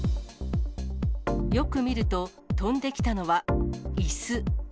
よく見ると、飛んできたのは、いす。